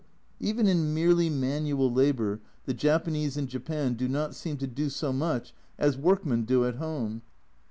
Even in merely manual labour, the Japanese in Japan do not seem to do so much as workmen do at home.